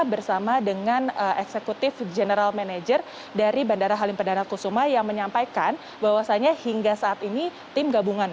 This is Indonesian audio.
bersama dengan eksekutif general manager dari bandara halim perdana kusuma yang menyampaikan bahwasannya hingga saat ini tim gabungan